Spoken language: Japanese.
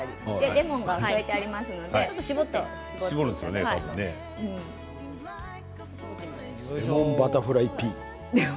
レモンが添えてあるのでレモンバタフライピー。